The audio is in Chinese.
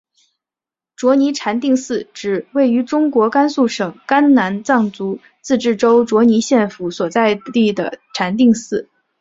卓尼禅定寺指位于中国甘肃省甘南藏族自治州卓尼县府所在地的禅定寺。